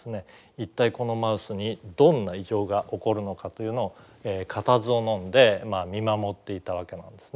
一体このマウスにどんな異常が起こるのかというのを固唾をのんで見守っていたわけなんですね。